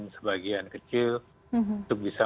sebagian kecil untuk bisa